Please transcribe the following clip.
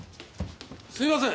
すいません！